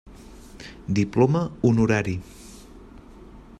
Diploma Honorari.